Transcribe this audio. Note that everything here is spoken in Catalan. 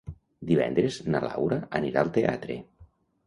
Divendres na Laura anirà al teatre.